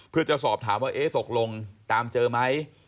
เพื่อจะสอบถามว่าเอ๊ะตกลงตามเจอไหม